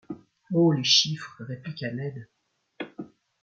Oh ! les chiffres ! répliqua Ned.